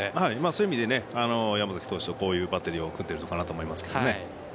そういう意味で山崎投手とこういうバッテリーを組んでいるのかなと思いますけど。